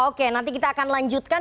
oke nanti kita akan lanjutkan